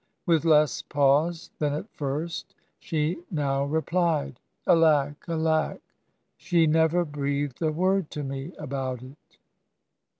.. With less pause than at first she now replied, ' Alack, alack I she never breathed a word to me about it.